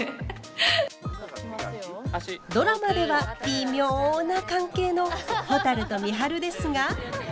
ドラマではビミョな関係のほたると美晴ですが。